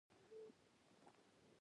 ګلداد وویل دا سپی په څه شي ناولی دی.